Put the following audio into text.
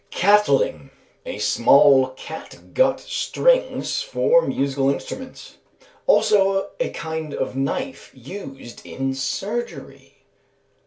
Catling. Small catgut strings for musical instruments, also a kind of knife used in surgery.